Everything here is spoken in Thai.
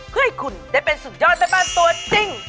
เพื่อให้คุณได้เป็นสุดยอดแม่บ้านตัวจริง